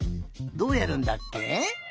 どうやるんだっけ？